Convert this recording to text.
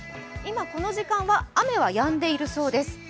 今、この時間は雨がやんでるそうです。